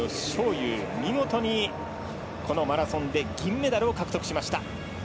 勇見事にマラソンで銀メダルを獲得しました。